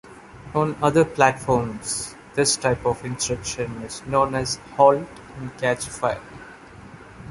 On other platforms, this type of instruction is known as Halt and Catch Fire.